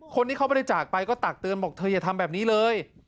คนที่เขาบริจาคไปก็ตักเตือนบอกเธออย่าทำแบบนี้เลย